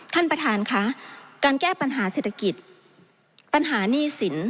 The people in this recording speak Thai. ท่านประธานค่ะการแก้ปัญหาเศรษฐกิจปัญหาหนี้สิน